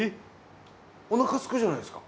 おなかすくじゃないですか。